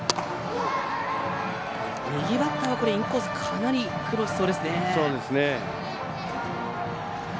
右バッターはインコースかなり苦労しそうですね。